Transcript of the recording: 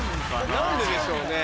何ででしょうねぇ。